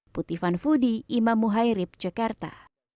puti fanfudi imam muhairib jakarta